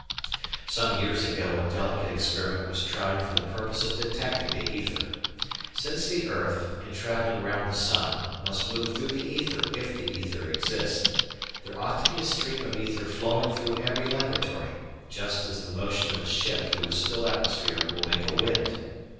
Some years ago a delicate experiment was tried for the purpose of detecting the ether. Since the earth, in travelling round the sun, must move through the ether if the ether exists, there ought to be a stream of ether flowing through every laboratory; just as the motion of a ship through a still atmosphere will make "a wind."